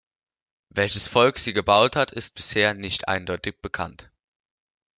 Welches Volk sie gebaut hat, ist bisher nicht eindeutig bekannt.